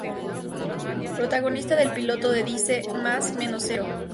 Protagonista del Piloto de Dice: Mas menos Cero.